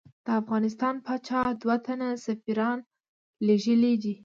د افغانستان پاچا دوه تنه سفیران لېږلی دي.